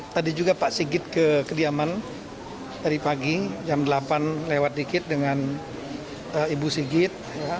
tadi juga pak sigit ke kediaman dari pagi jam delapan lewat dikit dengan ibu sigit